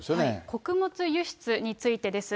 穀物輸出についてです。